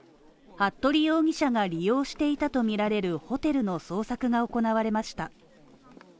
服部容疑者が利用していたとみられるホテルの捜索が行われました。